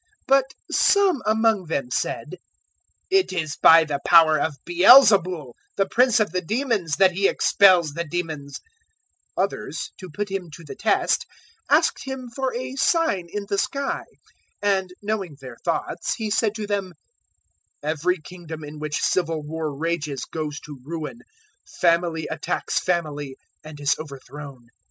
011:015 But some among them said, "It is by the power of Baal zebul, the Prince of the demons, that he expels the demons." 011:016 Others, to put Him to the test, asked Him for a sign in the sky. 011:017 And, knowing their thoughts, He said to them, "Every kingdom in which civil war rages goes to ruin: family attacks family and is overthrown.